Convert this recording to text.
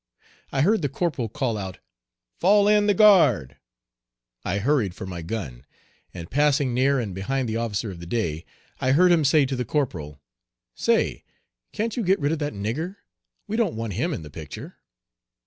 I heard the corporal call out, "Fall in the guard." I hurried for my gun, and passing near and behind the officer of the day, I heard him say to the corporal: "Say, can't you get rid of that nigger? We don't want him in the picture."